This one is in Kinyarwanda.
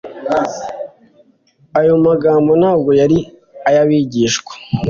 Ayo magambo ntabwo yari ay'abigishwa